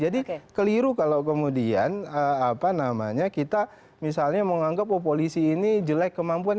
jadi itu tidak menghiru kalau kemudian kita misalnya menganggap polisi ini jelek kemampuan